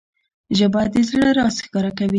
ژبه د زړه راز ښکاره کوي